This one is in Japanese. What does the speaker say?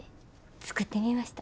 作ってみました。